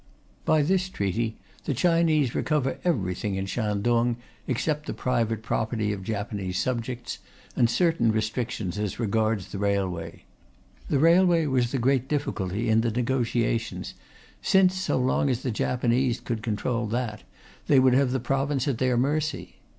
By this Treaty, the Chinese recover everything in Shantung, except the private property of Japanese subjects, and certain restrictions as regards the railway. The railway was the great difficulty in the negotiations, since, so long as the Japanese could control that, they would have the province at their mercy.